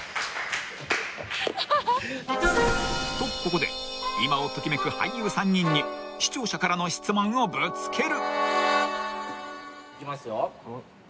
［とここで今をときめく俳優３人に視聴者からの質問をぶつける］いきますよ。